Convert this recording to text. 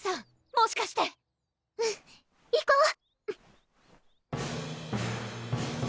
もしかしてうん行こう！